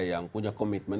yang punya komitmen